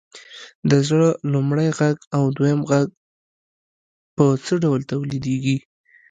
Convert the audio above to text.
د زړه لومړی غږ او دویم غږ په څه ډول تولیدیږي؟